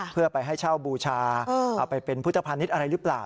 เพื่อไปให้เช่าบูชาเอาไปเป็นพุทธภานิษฐ์อะไรหรือเปล่า